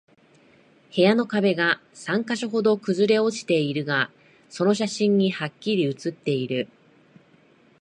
部屋の壁が三箇所ほど崩れ落ちているのが、その写真にハッキリ写っている